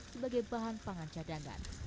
sebagai bahan pangan cadangan